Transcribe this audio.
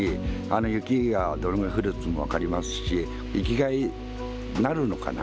雪がどのくらい降るっつうのも分かりますし、生きがいになるのかな。